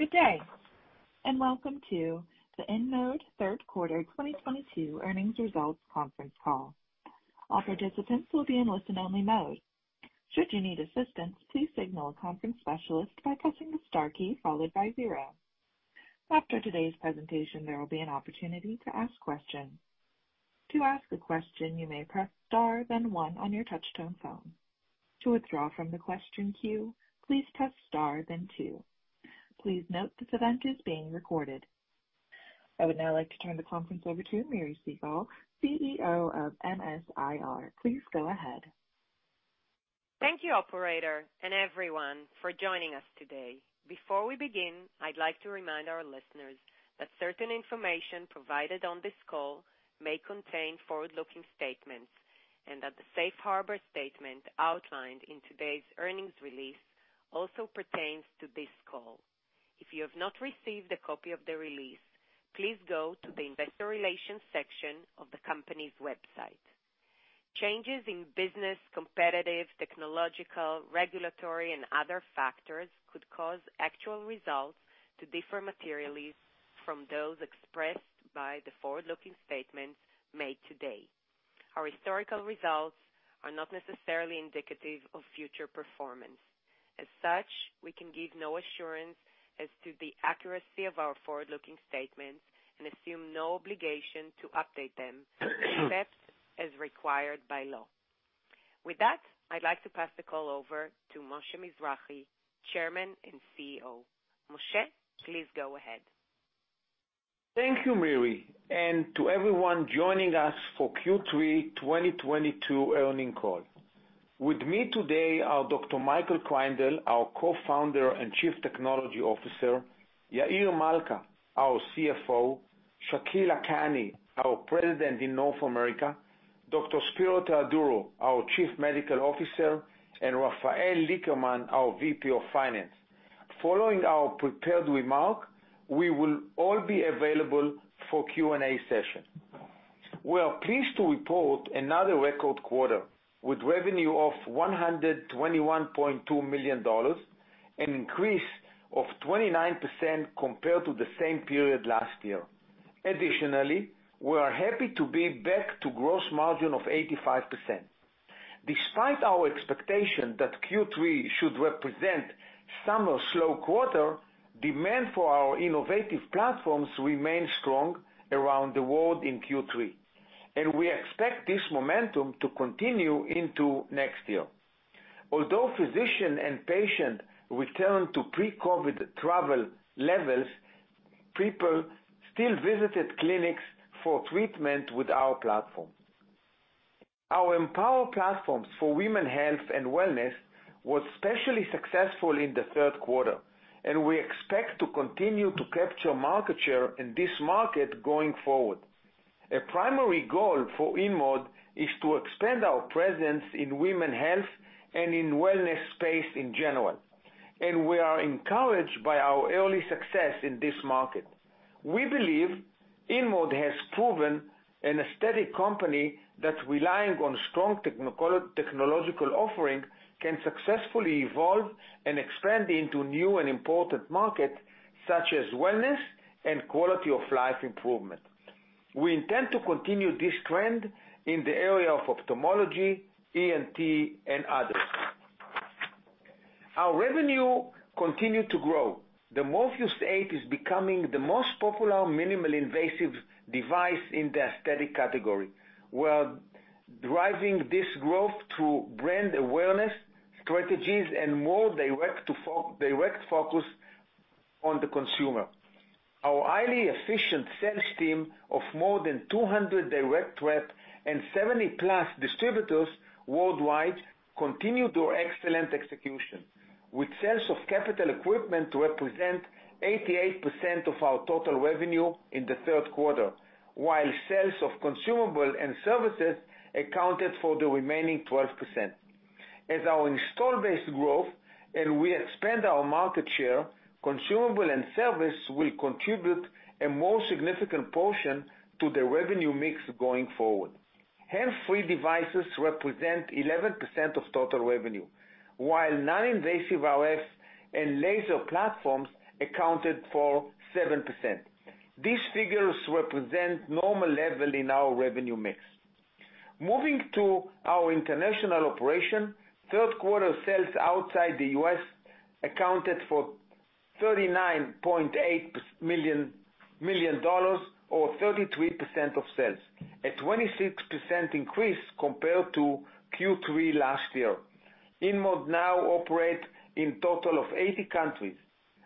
Good day, and welcome to the InMode third quarter 2022 earnings results conference call. All participants will be in listen-only mode. Should you need assistance, please signal a conference specialist by pressing the star key followed by zero. After today's presentation, there will be an opportunity to ask questions. To ask a question, you may press star then one on your touchtone phone. To withdraw from the question queue, please press star then two. Please note this event is being recorded. I would now like to turn the conference over to Miri Segal, CEO of MS-IR. Please go ahead. Thank you, operator, and everyone for joining us today. Before we begin, I'd like to remind our listeners that certain information provided on this call may contain forward-looking statements, and that the safe harbor statement outlined in today's earnings release also pertains to this call. If you have not received a copy of the release, please go to the investor relations section of the company's website. Changes in business, competitive, technological, regulatory, and other factors could cause actual results to differ materially from those expressed by the forward-looking statements made today. Our historical results are not necessarily indicative of future performance. As such, we can give no assurance as to the accuracy of our forward-looking statements and assume no obligation to update them except as required by law. With that, I'd like to pass the call over to Moshe Mizrahy, Chairman and CEO. Moshe, please go ahead. Thank you, Miri, and to everyone joining us for Q3 2022 earnings call. With me today are Dr. Michael Kreindel, our co-founder and Chief Technology Officer, Yair Malca, our CFO, Shakil Lakhani, our President in North America, Dr. Spero Theodorou, our Chief Medical Officer, and Rafael Lickerman, our VP of Finance. Following our prepared remarks, we will all be available for Q&A session. We are pleased to report another record quarter, with revenue of $121.2 million, an increase of 29% compared to the same period last year. Additionally, we are happy to be back to gross margin of 85%. Despite our expectation that Q3 should represent summer slow quarter, demand for our innovative platforms remain strong around the world in Q3, and we expect this momentum to continue into next year. Although physician and patient return to pre-COVID travel levels, people still visited clinics for treatment with our platform. Our Empower platforms for women health and wellness was especially successful in the third quarter, and we expect to continue to capture market share in this market going forward. A primary goal for InMode is to expand our presence in women health and in wellness space in general, and we are encouraged by our early success in this market. We believe InMode has proven an aesthetic company that's relying on strong technological offering can successfully evolve and expand into new and important market, such as wellness and quality of life improvement. We intend to continue this trend in the area of ophthalmology, ENT, and others. Our revenue continued to grow. The Morpheus8 is becoming the most popular minimally invasive device in the aesthetic category. We're driving this growth through brand awareness strategies and more direct focus on the consumer. Our highly efficient sales team of more than 200 direct rep and 70+ distributors worldwide continue their excellent execution, with sales of capital equipment to represent 88% of our total revenue in the third quarter, while sales of consumable and services accounted for the remaining 12%. As our install base grow and we expand our market share, consumable and service will contribute a more significant portion to the revenue mix going forward. Hands-free devices represent 11% of total revenue, while non-invasive RFs and laser platforms accounted for 7%. These figures represent normal level in our revenue mix. Moving to our international operation, third quarter sales outside the U.S. accounted for $39.8 million or 33% of sales, a 26% increase compared to Q3 last year. InMode now operate in total of 80 countries.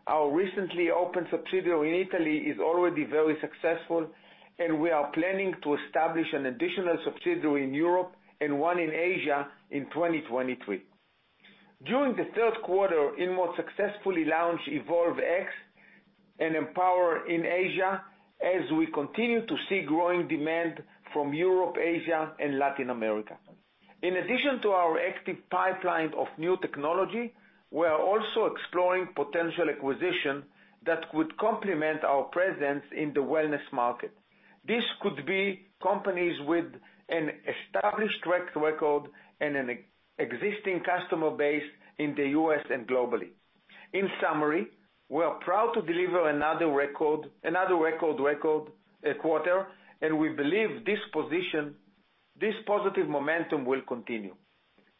Our recently opened subsidiary in Italy is already very successful, and we are planning to establish an additional subsidiary in Europe and one in Asia in 2023. During the third quarter, InMode successfully launched EvolveX and EmpowerRF in Asia as we continue to see growing demand from Europe, Asia, and Latin America. In addition to our active pipeline of new technology, we are also exploring potential acquisition that would complement our presence in the wellness market. This could be companies with an established track record and an existing customer base in the U.S. and globally. In summary, we are proud to deliver another record quarter, and we believe this position, this positive momentum will continue.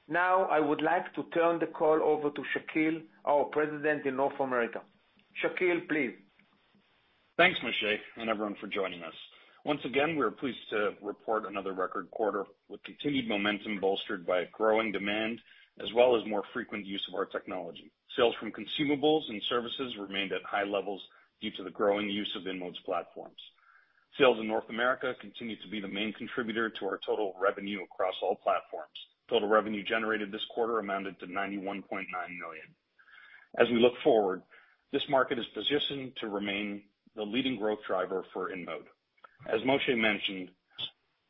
Now, I would like to turn the call over to Shakil, our President in North America. Shakil, please. Thanks, Moshe, and everyone for joining us. Once again, we are pleased to report another record quarter with continued momentum bolstered by a growing demand, as well as more frequent use of our technology. Sales from consumables and services remained at high levels due to the growing use of InMode's platforms. Sales in North America continue to be the main contributor to our total revenue across all platforms. Total revenue generated this quarter amounted to $91.9 million. As we look forward, this market is positioned to remain the leading growth driver for InMode. As Moshe mentioned,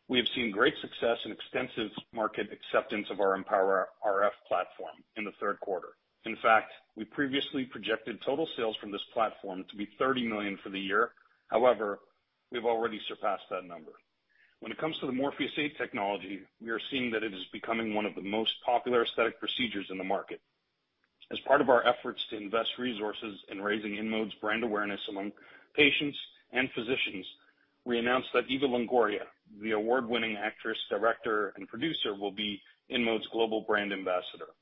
we have seen great success and extensive market acceptance of our EmpowerRF platform in the third quarter. In fact, we previously projected total sales from this platform to be $30 million for the year. However, we've already surpassed that number. When it comes to the Morpheus8 technology, we are seeing that it is becoming one of the most popular aesthetic procedures in the market. As part of our efforts to invest resources in raising InMode's brand awareness among patients and physicians, we announced that Eva Longoria, the award-winning actress, director, and producer, will be InMode's global brand ambassador.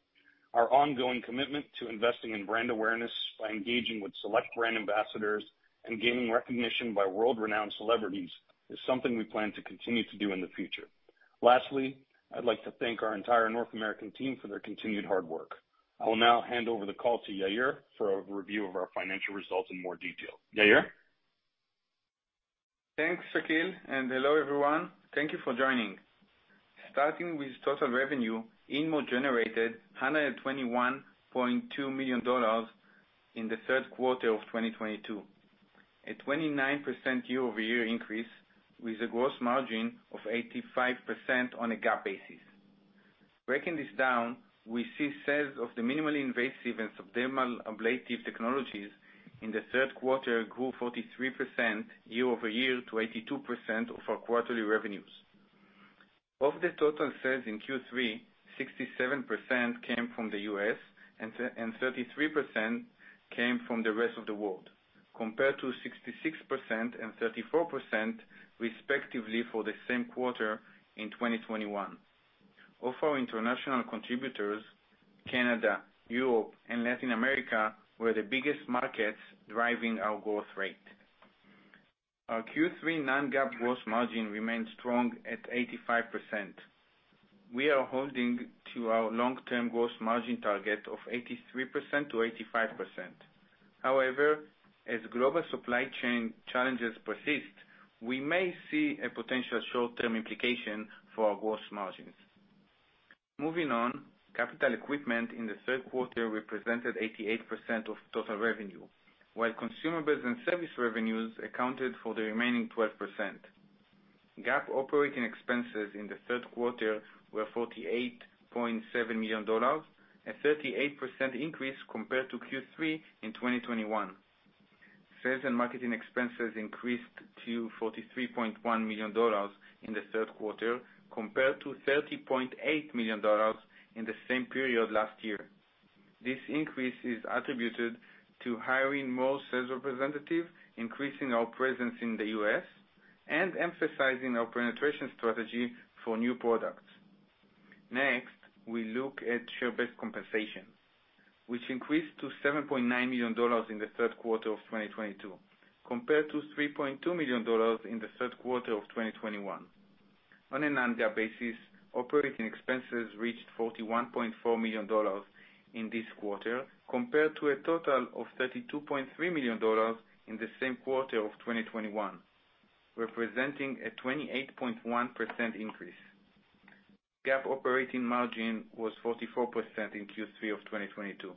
Our ongoing commitment to investing in brand awareness by engaging with select brand ambassadors and gaining recognition by world-renowned celebrities, is something we plan to continue to do in the future. Lastly, I'd like to thank our entire North American team for their continued hard work. I will now hand over the call to Yair for a review of our financial results in more detail. Yair. Thanks, Shakil, and hello, everyone. Thank you for joining. Starting with total revenue, InMode generated $121.2 million in the third quarter of 2022. A 29% year-over-year increase with a gross margin of 85% on a GAAP basis. Breaking this down, we see sales of the minimally invasive and subdermal ablative technologies in the third quarter grew 43% year-over-year to 82% of our quarterly revenues. Of the total sales in Q3, 67% came from the U.S. and 33% came from the rest of the world, compared to 66% and 34% respectively for the same quarter in 2021. Of our international contributors, Canada, Europe, and Latin America were the biggest markets driving our growth rate. Our Q3 non-GAAP gross margin remained strong at 85%. We are holding to our long-term gross margin target of 83%-85%. However, as global supply chain challenges persist, we may see a potential short-term implication for our gross margins. Moving on, capital equipment in the third quarter represented 88% of total revenue, while consumables and service revenues accounted for the remaining 12%. GAAP operating expenses in the third quarter were $48.7 million, a 38% increase compared to Q3 in 2021. Sales and marketing expenses increased to $43.1 million in the third quarter, compared to $30.8 million in the same period last year. This increase is attributed to hiring more sales representative, increasing our presence in the U.S., and emphasizing our penetration strategy for new products. Next, we look at share-based compensation, which increased to $7.9 million in the third quarter of 2022, compared to $3.2 million in the third quarter of 2021. On a non-GAAP basis, operating expenses reached $41.4 million in this quarter, compared to a total of $32.3 million in the same quarter of 2021, representing a 28.1% increase. GAAP operating margin was 44% in Q3 of 2022.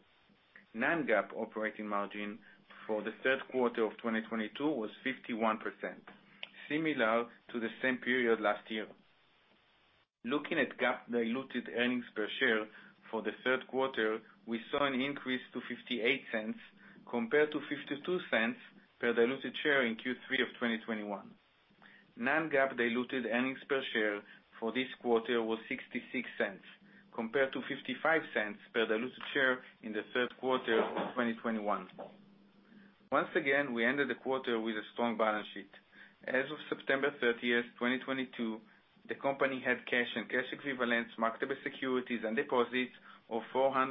Non-GAAP operating margin for the third quarter of 2022 was 51%, similar to the same period last year. Looking at GAAP diluted earnings per share for the third quarter, we saw an increase to $0.58 compared to $0.52 per diluted share in Q3 of 2021. Non-GAAP diluted earnings per share for this quarter was $0.66 compared to $0.55 per diluted share in the third quarter of 2021. Once again, we ended the quarter with a strong balance sheet. As of September 30th, 2022, the company had cash and cash equivalents, marketable securities, and deposits of $486.4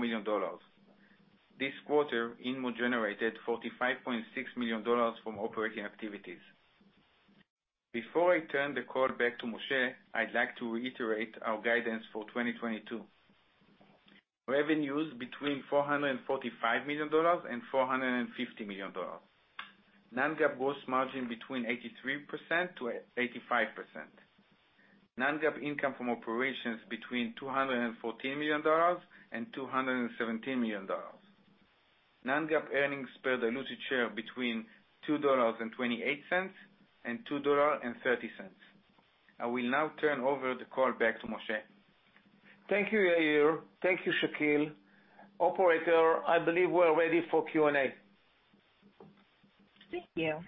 million. This quarter, InMode generated $45.6 million from operating activities. Before I turn the call back to Moshe, I'd like to reiterate our guidance for 2022. Revenues between $445 million-$450 million. Non-GAAP gross margin between 83%-85%. Non-GAAP income from operations between $214 million-$217 million. Non-GAAP earnings per diluted share between $2.28 and $2.30. I will now turn over the call back to Moshe. Thank you, Yair. Thank you, Shakil. Operator, I believe we're ready for Q&A. Thank you.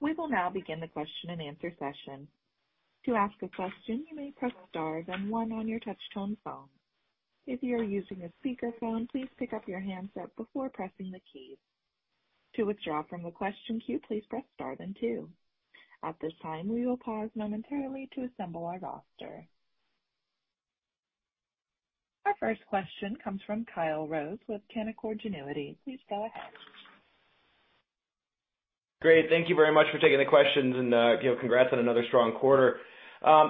We will now begin the question-and-answer session. To ask a question, you may press star then one on your touchtone phone. If you are using a speakerphone, please pick up your handset before pressing the keys. To withdraw from the question queue, please press star then two. At this time, we will pause momentarily to assemble our roster. Our first question comes from Kyle Rose with Canaccord Genuity. Please go ahead. Great. Thank you very much for taking the questions, and, you know, congrats on another strong quarter.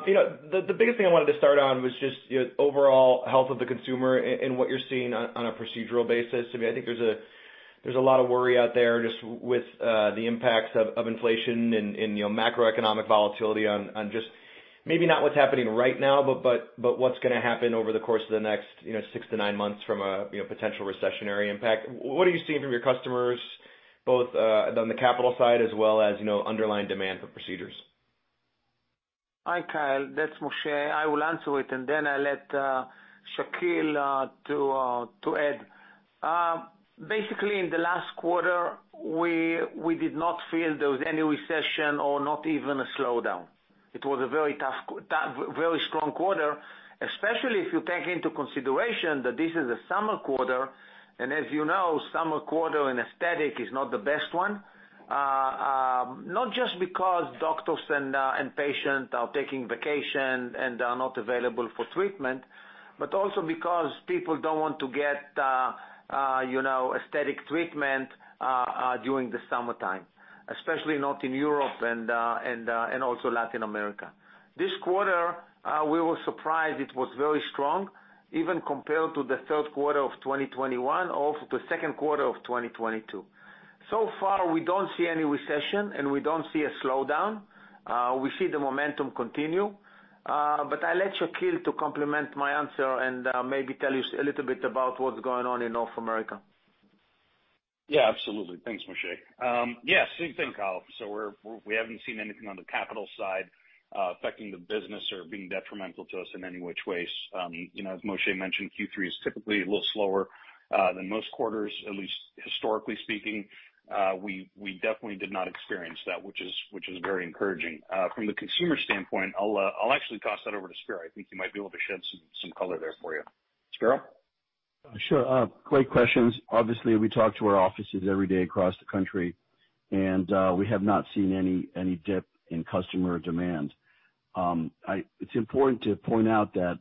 You know, the biggest thing I wanted to start on was just, you know, overall health of the consumer and what you're seeing on a procedural basis. I mean, I think there's a lot of worry out there just with the impacts of inflation and, you know, macroeconomic volatility on just maybe not what's happening right now, but what's gonna happen over the course of the next, you know, six to nine months from a potential recessionary impact. What are you seeing from your customers both on the capital side as well as, you know, underlying demand for procedures? Hi, Kyle. That's Moshe. I will answer it, and then I'll let Shakil to add. Basically in the last quarter, we did not feel there was any recession or not even a slowdown. It was a very strong quarter, especially if you take into consideration that this is a summer quarter, and as you know, summer quarter in aesthetic is not the best one. Not just because doctors and patients are taking vacation and are not available for treatment, but also because people don't want to get you know, aesthetic treatment during the summertime, especially not in Europe and also Latin America. This quarter, we were surprised it was very strong, even compared to the third quarter of 2021 or the second quarter of 2022. So far we don't see any recession, and we don't see a slowdown. We see the momentum continue. I'll let Shakil to complement my answer and, maybe tell you a little bit about what's going on in North America. Yeah, absolutely. Thanks, Moshe. Yeah, same thing, Kyle. We haven't seen anything on the capital side affecting the business or being detrimental to us in any which ways. You know, as Moshe mentioned, Q3 is typically a little slower than most quarters, at least historically speaking. We definitely did not experience that, which is very encouraging. From the consumer standpoint, I'll actually toss that over to Spero. I think he might be able to shed some color there for you. Spero? Sure. Great questions. Obviously, we talk to our offices every day across the country, and we have not seen any dip in customer demand. It's important to point out that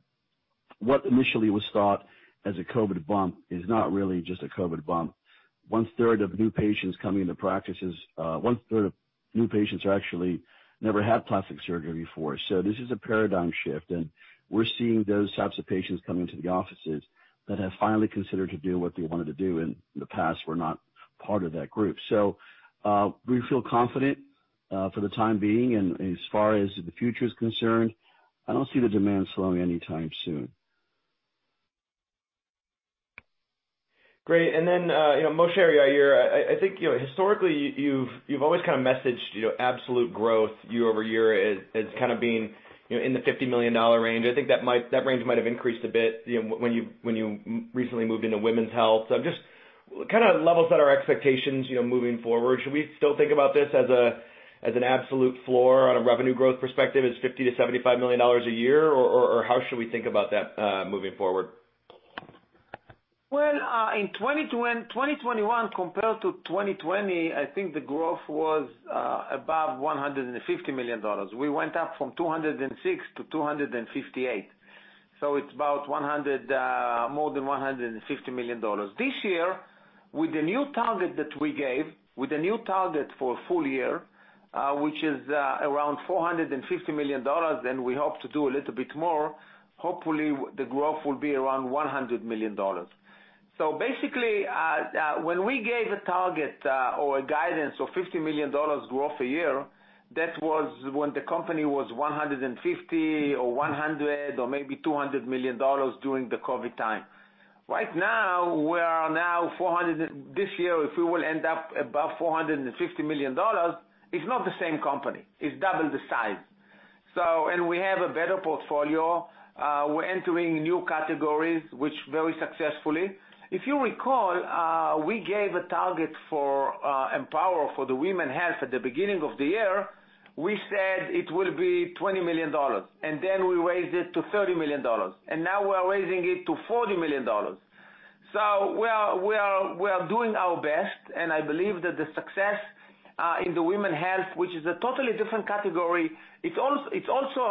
what initially was thought as a COVID bump is not really just a COVID bump. 1/3 of new patients coming into practices actually never had plastic surgery before. This is a paradigm shift, and we're seeing those types of patients coming to the offices that have finally considered to do what they wanted to do, in the past were not part of that group. We feel confident for the time being and as far as the future is concerned. I don't see the demand slowing anytime soon. Great. Then, you know, Moshe or Yair, I think, you know, historically you've always kind of messaged, you know, absolute growth year-over-year as kind of being, you know, in the $50 million range. I think that range might have increased a bit, you know, when you recently moved into women's health. It just levels out our expectations, you know, moving forward. Should we still think about this as an absolute floor on a revenue growth perspective as $50 million-$75 million a year? Or how should we think about that moving forward? Well, in 2021 compared to 2020, I think the growth was above $150 million. We went up from $206 million-$258 million, so it's about 100, more than $150 million. This year, with the new target that we gave, with the new target for full year, which is around $450 million, and we hope to do a little bit more, hopefully the growth will be around $100 million. Basically, when we gave a target, or a guidance of $50 million growth a year, that was when the company was $150 million or $100 million or maybe $200 million during the COVID time. Right now we are this year, if we will end up above $450 million, it's not the same company. It's double the size. We have a better portfolio. We're entering new categories, which very successfully. If you recall, we gave a target for EmpowerRF for the women health at the beginning of the year. We said it will be $20 million, and then we raised it to $30 million, and now we're raising it to $40 million. We are doing our best, and I believe that the success in the women health, which is a totally different category, it's also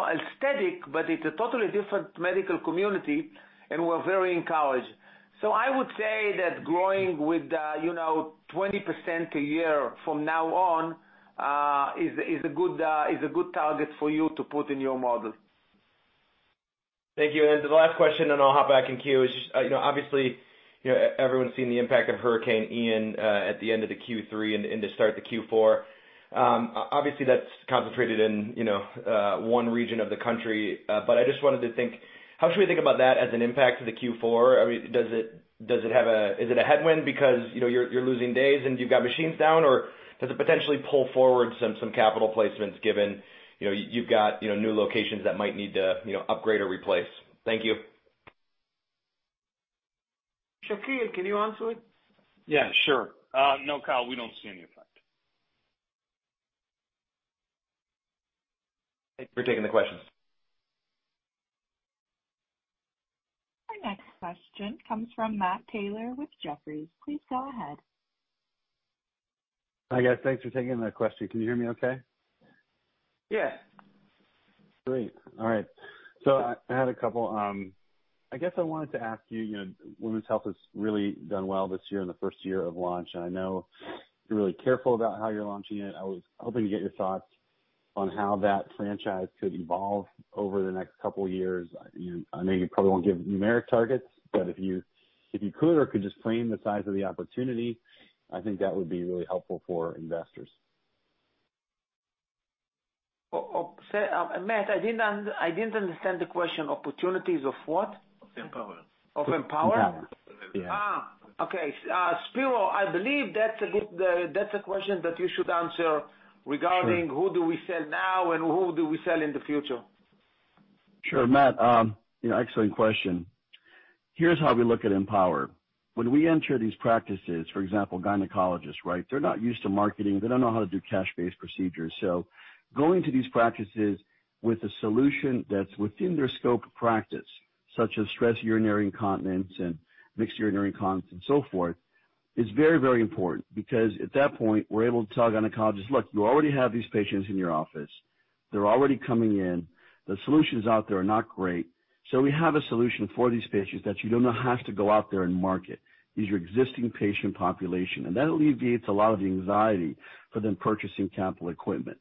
aesthetic, but it's a totally different medical community, and we're very encouraged. I would say that growing with, you know, 20% a year from now on is a good target for you to put in your model. Thank you. The last question, and I'll hop back in queue, is just, you know, obviously, you know, everyone's seen the impact of Hurricane Ian at the end of the Q3 and to start the Q4. Obviously that's concentrated in, you know, one region of the country. But I just wanted to think, how should we think about that as an impact to the Q4? I mean, is it a headwind because, you know, you're losing days and you've got machines down? Or does it potentially pull forward some capital placements given, you know, you've got new locations that might need to, you know, upgrade or replace? Thank you. Shakil, can you answer it? Yeah, sure. No, Kyle, we don't see any effect. Thank you for taking the questions. Our next question comes from Matt Taylor with Jefferies. Please go ahead. Hi guys. Thanks for taking my question. Can you hear me okay? Yeah. Great. All right. I had a couple. I guess I wanted to ask you know, women's health has really done well this year in the first year of launch, and I know you're really careful about how you're launching it. I was hoping to get your thoughts on how that franchise could evolve over the next couple years. You know, I know you probably won't give numeric targets, but if you could just frame the size of the opportunity, I think that would be really helpful for investors. Oh, Matt, I didn't understand the question. Opportunities of what? Of EmpowerRF. Of EmpowerRF? Yeah. Spero, I believe that's a question that you should answer. Sure. Regarding who do we sell now and who do we sell in the future. Sure. Matt, you know, excellent question. Here's how we look at EmpowerRF. When we enter these practices, for example, gynecologists, right? They're not used to marketing. They don't know how to do cash-based procedures. So going to these practices with a solution that's within their scope of practice, such as stress urinary incontinence and mixed urinary incontinence and so forth, is very, very important. Because at that point, we're able to tell gynecologists, "Look, you already have these patients in your office. They're already coming in. The solutions out there are not great. So we have a solution for these patients that you do not have to go out there and market. These are existing patient population." That alleviates a lot of the anxiety for them purchasing capital equipment.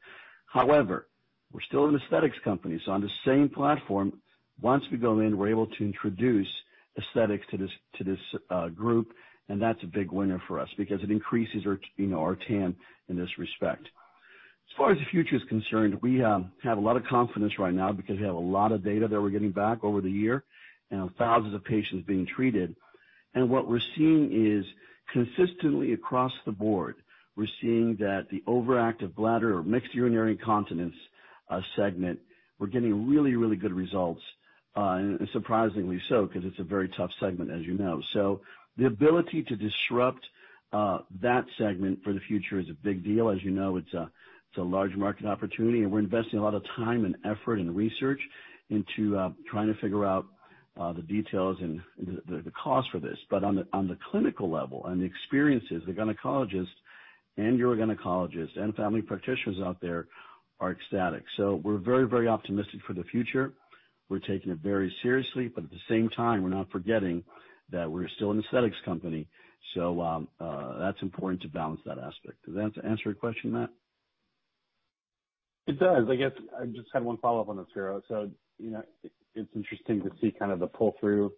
However, we're still an aesthetics company, so on the same platform, once we go in, we're able to introduce aesthetics to this group, and that's a big winner for us because it increases our, you know, our TAM in this respect. As far as the future is concerned, we have a lot of confidence right now because we have a lot of data that we're getting back over the year and thousands of patients being treated. What we're seeing is, consistently across the board, we're seeing that the overactive bladder or mixed urinary incontinence segment, we're getting really good results. Surprisingly so, 'cause it's a very tough segment, as you know. The ability to disrupt that segment for the future is a big deal. As you know, it's a large market opportunity, and we're investing a lot of time and effort and research into trying to figure out the details and the cost for this. But on the clinical level and the experiences, the gynecologists and urogynecologists and family practitioners out there are ecstatic. We're very, very optimistic for the future. We're taking it very seriously, but at the same time, we're not forgetting that we're still an aesthetics company. That's important to balance that aspect. Does that answer your question, Matt? It does. I guess I just had one follow-up on this, Spero. You know, it's interesting to see kind of the pull-through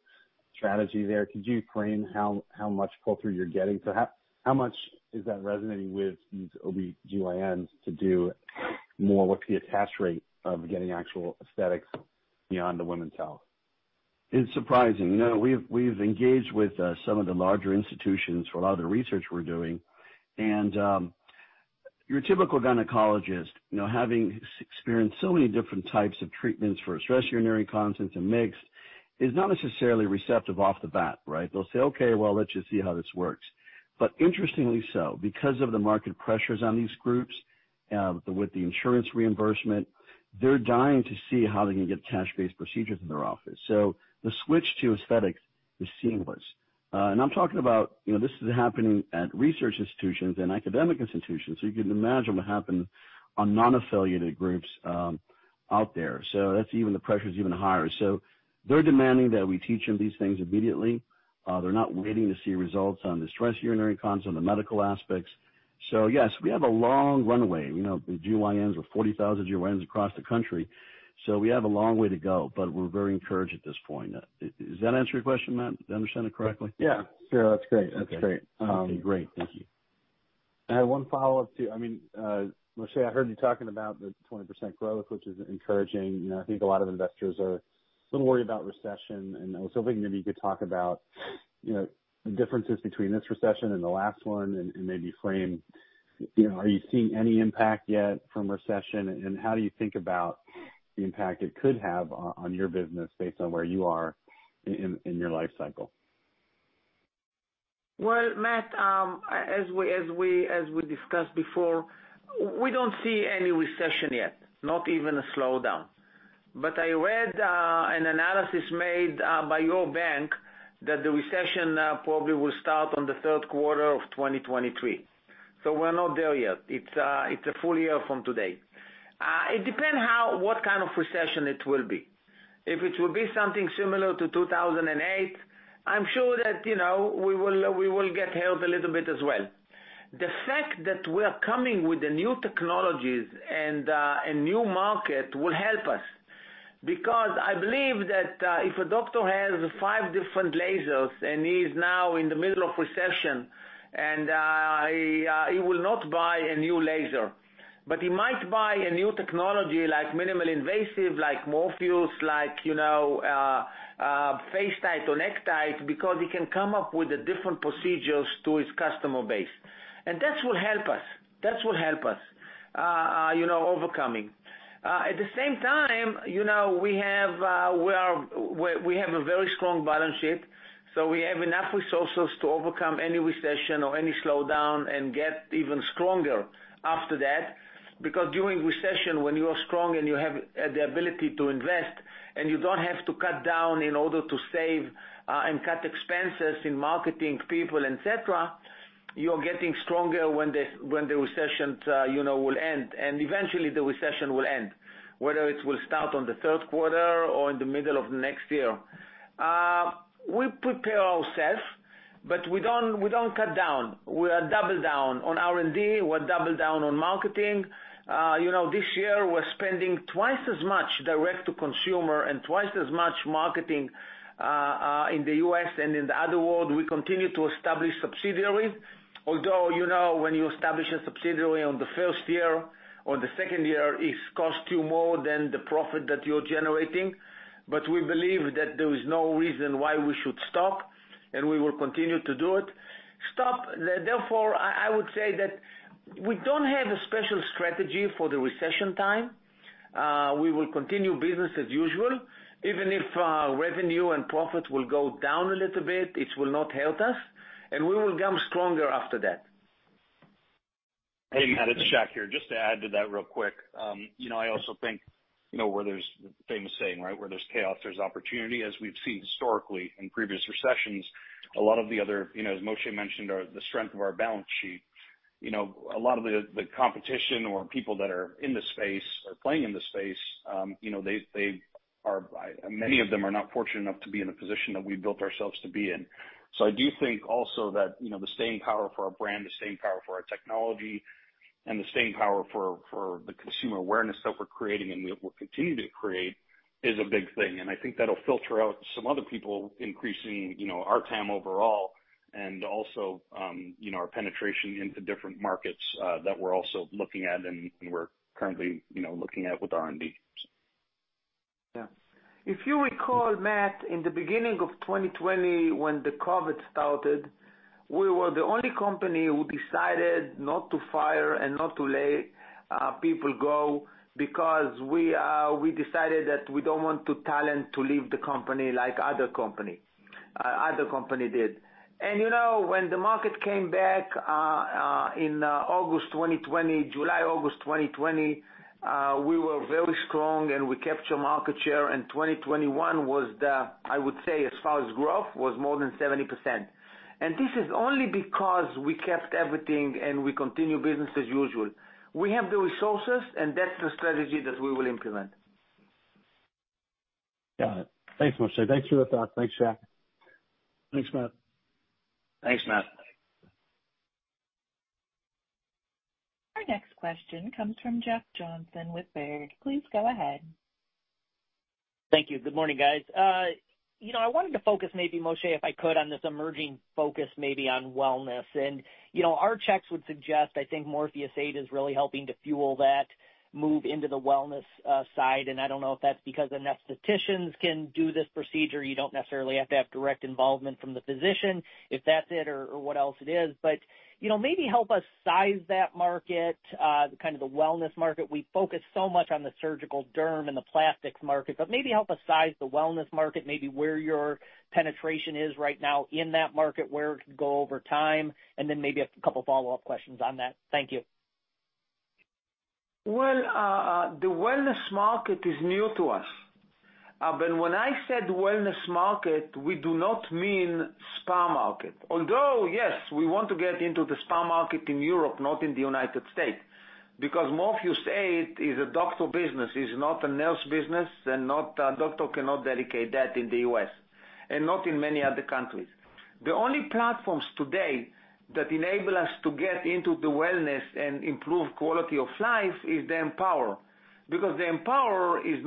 strategy there. Could you frame how much pull-through you're getting? So how much is that resonating with these OB-GYNs to do more? What's the attach rate of getting actual aesthetics beyond the women's health? It's surprising. You know, we've engaged with some of the larger institutions for a lot of the research we're doing. Your typical gynecologist, you know, having experienced so many different types of treatments for stress urinary incontinence and mixed, is not necessarily receptive off the bat, right? They'll say, "Okay, well, let's just see how this works." Interestingly so, because of the market pressures on these groups, with the insurance reimbursement, they're dying to see how they can get cash-based procedures in their office. The switch to aesthetics is seamless. I'm talking about, you know, this is happening at research institutions and academic institutions, so you can imagine what happens on non-affiliated groups, out there. That's even the pressure is even higher. They're demanding that we teach them these things immediately. They're not waiting to see results on the stress urinary incontinence, on the medical aspects. Yes, we have a long runway. You know, the GYNs, with 40,000 GYNs across the country, so we have a long way to go, but we're very encouraged at this point. Does that answer your question, Matt? Did I understand it correctly? Yeah. Sure. That's great. Okay. Great. Thank you. I have one follow-up to you. I mean, Moshe, I heard you talking about the 20% growth, which is encouraging. You know, I think a lot of investors are a little worried about recession, and I was hoping maybe you could talk about, you know, the differences between this recession and the last one and maybe frame, you know, are you seeing any impact yet from recession, and how do you think about the impact it could have on your business based on where you are in your life cycle? Well, Matt, as we discussed before, we don't see any recession yet, not even a slowdown. I read an analysis made by your bank that the recession probably will start on the third quarter of 2023. We're not there yet. It's a full year from today. It depend how what kind of recession it will be. If it will be something similar to 2008, I'm sure that, you know, we will get hurt a little bit as well. The fact that we're coming with the new technologies and a new market will help us. Because I believe that if a doctor has five different lasers and he's now in the middle of recession and he will not buy a new laser. He might buy a new technology like minimally invasive, like Morpheus, like, you know, FaceTite or NeckTite, because he can come up with the different procedures to his customer base. That will help us overcoming. At the same time, you know, we have a very strong balance sheet, so we have enough resources to overcome any recession or any slowdown and get even stronger after that. Because during recession, when you are strong and you have the ability to invest, and you don't have to cut down in order to save and cut expenses in marketing, people, et cetera, you're getting stronger when the recession, you know, will end. Eventually the recession will end, whether it will start on the third quarter or in the middle of next year. We prepare ourselves, but we don't cut down. We double down on R&D, we double down on marketing. You know, this year we're spending twice as much direct to consumer and twice as much marketing in the U.S. and in the other world, we continue to establish subsidiary. Although, you know, when you establish a subsidiary on the first year or the second year, it costs you more than the profit that you're generating. We believe that there is no reason why we should stop, and we will continue to do it. Therefore, I would say that we don't have a special strategy for the recession time. We will continue business as usual. Even if revenue and profit will go down a little bit, it will not hurt us, and we will come stronger after that. Hey, Matt, it's Shack here. Just to add to that real quick. You know, I also think, you know, the famous saying, right? Where there's chaos, there's opportunity, as we've seen historically in previous recessions. A lot of the other, you know, as Moshe mentioned, are the strength of our balance sheet. You know, a lot of the competition or people that are in the space or playing in the space, you know, they are many of them are not fortunate enough to be in a position that we built ourselves to be in. I do think also that, you know, the staying power for our brand, the staying power for our technology, and the staying power for the consumer awareness that we're creating and we will continue to create is a big thing. I think that'll filter out some other people increasing, you know, our TAM overall and also, you know, our penetration into different markets that we're also currently looking at with R&D. Yeah. If you recall, Matt, in the beginning of 2020 when the COVID started, we were the only company who decided not to fire and not to lay off people because we decided that we don't want the talent to leave the company like other company did. You know, when the market came back in July, August 2020, we were very strong and we capture market share, and 2021 was the, I would say, as far as growth, was more than 70%. This is only because we kept everything and we continue business as usual. We have the resources, and that's the strategy that we will implement. Got it. Thanks, Moshe. Thanks, Theodorou. Thanks, Shack. Thanks, Matt. Thanks, Matt. Our next question comes from Jeff Johnson with Baird. Please go ahead. Thank you. Good morning, guys. You know, I wanted to focus maybe, Moshe, if I could, on this emerging focus maybe on wellness. You know, our checks would suggest, I think Morpheus8 is really helping to fuel that move into the wellness side. I don't know if that's because aestheticians can do this procedure. You don't necessarily have to have direct involvement from the physician, if that's it or what else it is. You know, maybe help us size that market kind of the wellness market. We focus so much on the surgical derm and the plastics market, but maybe help us size the wellness market, maybe where your penetration is right now in that market, where it could go over time, and then maybe a couple follow-up questions on that. Thank you. Well, the wellness market is new to us. When I said wellness market, we do not mean spa market. Although, yes, we want to get into the spa market in Europe, not in the U.S., because Morpheus8 is a doctor business, it's not a nurse business, and not, doctor cannot dedicate that in the U.S. and not in many other countries. The only platforms today that enable us to get into the wellness and improve quality of life is the EmpowerRF. Because the EmpowerRF is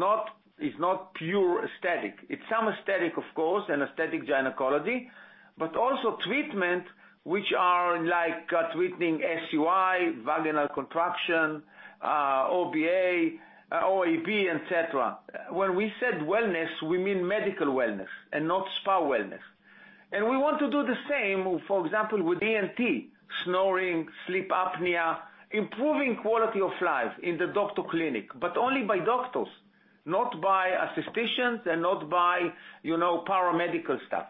not pure aesthetic. It's some aesthetic, of course, and aesthetic gynecology, but also treatment which are like, treating SUI, vaginal contraction, OAB, et cetera. When we said wellness, we mean medical wellness and not spa wellness. We want to do the same, for example, with ENT, snoring, sleep apnea, improving quality of life in the doctor clinic, but only by doctors, not by aestheticians and not by, you know, paramedical staff.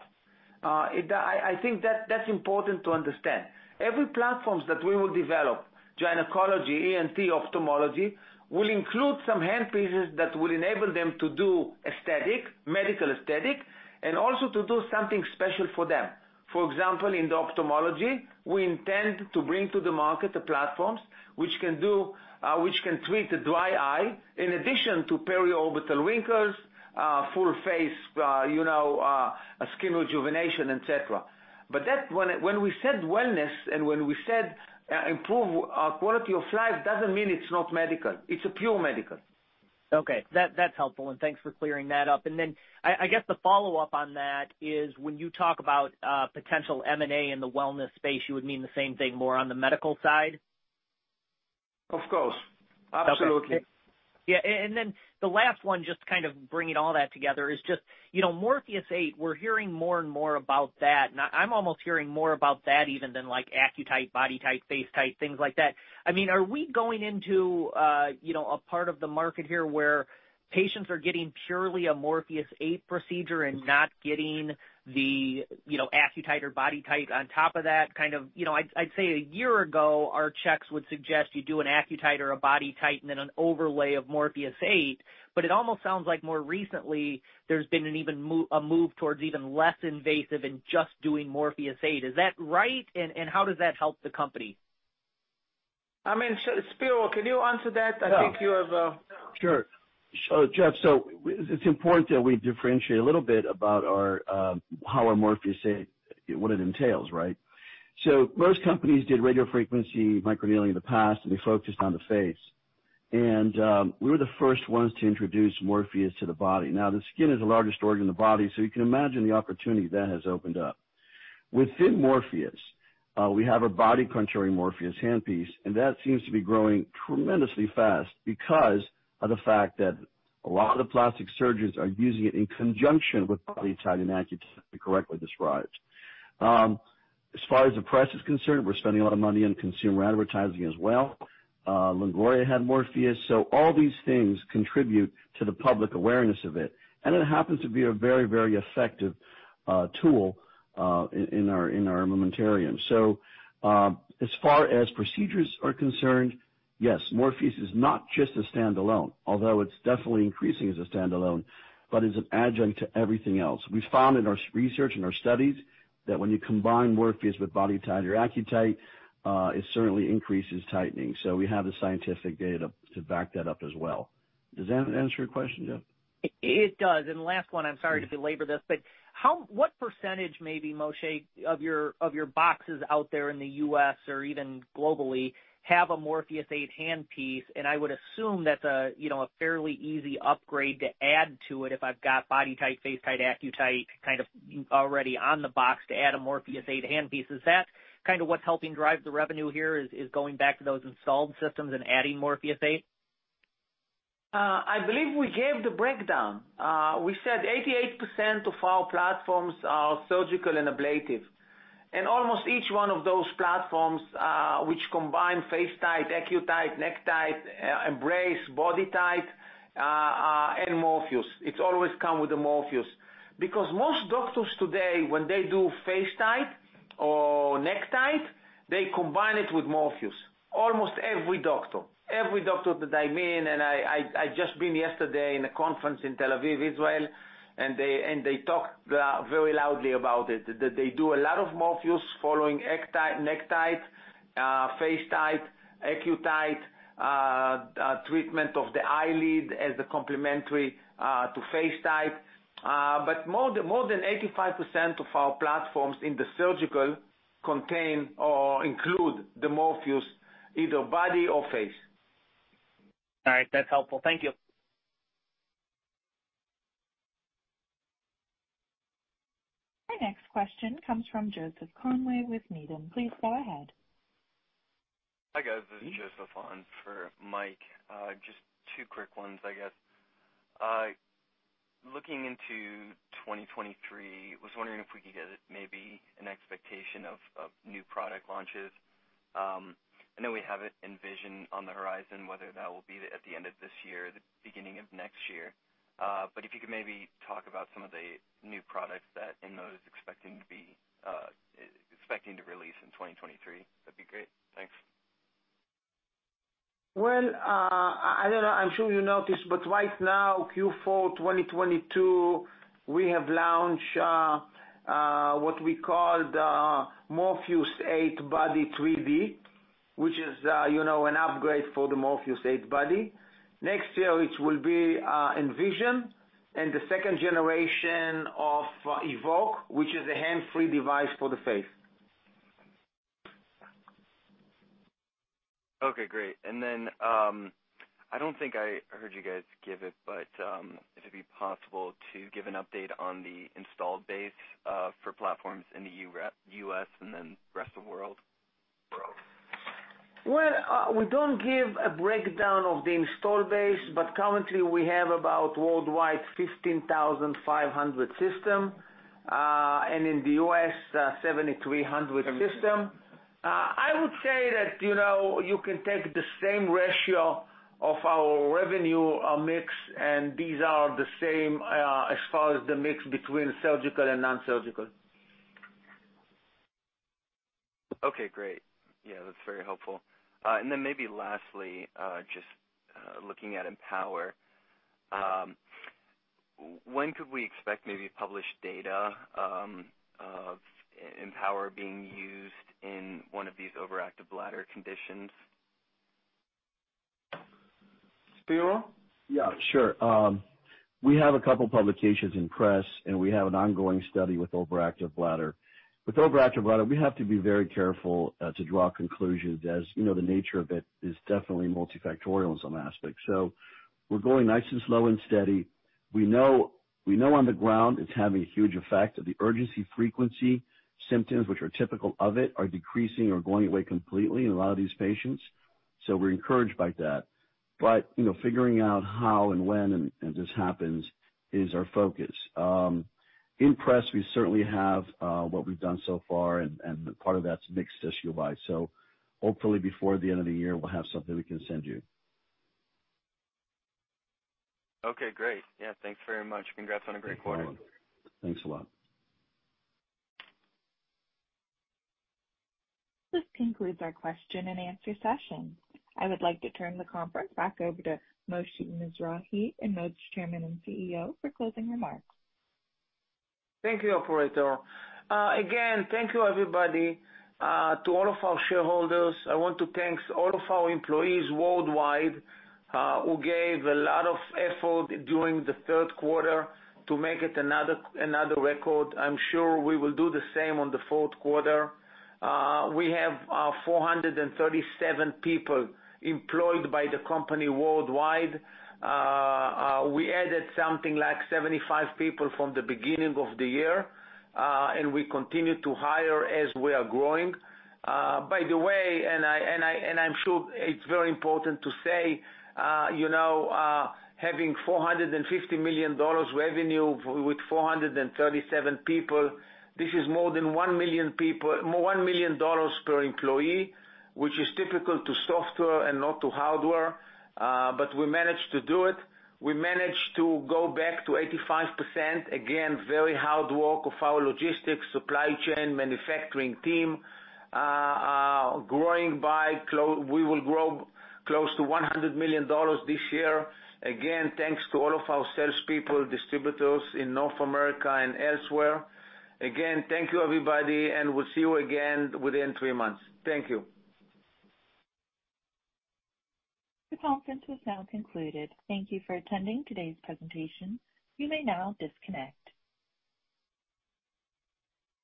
I think that's important to understand. Every platforms that we will develop, gynecology, ENT, ophthalmology, will include some hand pieces that will enable them to do aesthetic, medical aesthetic, and also to do something special for them. For example, in the ophthalmology, we intend to bring to the market the platforms which can treat the dry eye in addition to periorbital wrinkles, full face, you know, skin rejuvenation, et cetera. But that, when we said wellness and improve quality of life, doesn't mean it's not medical. It's a pure medical. Okay. That's helpful, and thanks for clearing that up. I guess the follow-up on that is when you talk about potential M&A in the wellness space, you would mean the same thing more on the medical side? Of course. Absolutely. Okay. Yeah, and then the last one, just to kind of bring it all that together is just, you know, Morpheus8, we're hearing more and more about that. Now, I'm almost hearing more about that even than, like, AccuTite, BodyTite, FaceTite, things like that. I mean, are we going into, you know, a part of the market here where patients are getting purely a Morpheus8 procedure and not getting the, you know, AccuTite or BodyTite on top of that kind of. You know, I'd say a year ago, our checks would suggest you do an AccuTite or a BodyTite and then an overlay of Morpheus8. But it almost sounds like more recently there's been an even a move towards even less invasive and just doing Morpheus8. Is that right? And how does that help the company? I mean, Spero, can you answer that? Yeah. I think you have. Sure. Jeff, it's important that we differentiate a little bit about our, how our Morpheus8, what it entails, right? Most companies did radiofrequency microneedling in the past, and they focused on the face. We were the first ones to introduce Morpheus to the body. Now, the skin is the largest organ in the body, so you can imagine the opportunity that has opened up. Within Morpheus, we have a body contouring Morpheus handpiece, and that seems to be growing tremendously fast because of the fact that a lot of the plastic surgeons are using it in conjunction with BodyTite and AccuTite, you correctly described. As far as the press is concerned, we're spending a lot of money on consumer advertising as well. Longoria had Morpheus. All these things contribute to the public awareness of it. It happens to be a very, very effective tool in our armamentarium. As far as procedures are concerned, yes, Morpheus is not just a standalone, although it's definitely increasing as a standalone, but is an adjunct to everything else. We found in our research and our studies that when you combine Morpheus with BodyTite or AccuTite, it certainly increases tightening. We have the scientific data to back that up as well. Does that answer your question, Jeff? It does. Last one, I'm sorry to belabor this, but what percentage maybe, Moshe, of your boxes out there in the U.S. or even globally have a Morpheus8 handpiece? I would assume that's a, you know, a fairly easy upgrade to add to it if I've got BodyTite, FaceTite, AccuTite kind of already on the box to add a Morpheus8 handpiece. Is that kind of what's helping drive the revenue here, is going back to those installed systems and adding Morpheus8? I believe we gave the breakdown. We said 88% of our platforms are surgical and ablative. Almost each one of those platforms, which combine FaceTite, AccuTite, NeckTite, EmbraceRF, BodyTite, and Morpheus. It's always come with the Morpheus. Because most doctors today, when they do FaceTite or NeckTite, they combine it with Morpheus. Almost every doctor. Every doctor that I meet, and I'd just been yesterday in a conference in Tel Aviv, Israel, and they talked very loudly about it. That they do a lot of Morpheus following NeckTite, FaceTite, AccuTite, treatment of the eyelid as a complementary to FaceTite. But more than 85% of our platforms in the surgical contain or include the Morpheus, either body or face. All right. That's helpful. Thank you. The next question comes from Joseph Conway with Needham. Please go ahead. Hi, guys. This is Joseph on for Mike. Just two quick ones, I guess. Looking into 2023, was wondering if we could get maybe an expectation of new product launches. I know we have Envision on the horizon, whether that will be at the end of this year or the beginning of next year. If you could maybe talk about some of the new products that InMode is expecting to release in 2023, that'd be great. Thanks. Well, I don't know. I'm sure you noticed, but right now, Q4 2022, we have launched what we call the Morpheus8 Body 3D, which is, you know, an upgrade for the Morpheus8 Body. Next year, it will be Envision and the second generation of EvolveX, which is a hands-free device for the face. Okay, great. I don't think I heard you guys give it, but if it'd be possible to give an update on the installed base for platforms in the U.S. and then rest of world. Well, we don't give a breakdown of the install base, but currently we have about worldwide 15,500 system, and in the US, 7,300 system. I would say that, you know, you can take the same ratio of our revenue mix, and these are the same, as far as the mix between surgical and nonsurgical. Okay, great. Yeah, that's very helpful. Maybe lastly, just looking at EmpowerRF. When could we expect maybe published data of EmpowerRF being used in one of these overactive bladder conditions? Spero? Yeah, sure. We have a couple publications in press, and we have an ongoing study with overactive bladder. With overactive bladder, we have to be very careful to draw conclusions as you know, the nature of it is definitely multifactorial in some aspects. We're going nice and slow and steady. We know on the ground it's having a huge effect on the urgency frequency symptoms which are typical of it, are decreasing or going away completely in a lot of these patients. We're encouraged by that. You know, figuring out how and when and this happens is our focus. In progress, we certainly have what we've done so far, and part of that's mixed issue-wise. Hopefully before the end of the year, we'll have something we can send you. Okay, great. Yeah, thanks very much. Congrats on a great quarter. Thanks a lot. This concludes our question and answer session. I would like to turn the conference back over to Moshe Mizrahy, InMode's Chairman and CEO, for closing remarks. Thank you, operator. Again, thank you everybody. To all of our shareholders, I want to thank all of our employees worldwide, who gave a lot of effort during the third quarter to make it another record. I'm sure we will do the same on the fourth quarter. We have 437 people employed by the company worldwide. We added something like 75 people from the beginning of the year, and we continue to hire as we are growing. By the way, I'm sure it's very important to say, you know, having $450 million revenue with 437 people, this is more than $1 million per employee, which is typical to software and not to hardware. We managed to do it. We managed to go back to 85%. Again, very hard work of our logistics, supply chain, manufacturing team. We will grow close to $100 million this year. Again, thanks to all of our salespeople, distributors in North America and elsewhere. Again, thank you, everybody, and we'll see you again within three months. Thank you. The conference is now concluded. Thank you for attending today's presentation. You may now disconnect.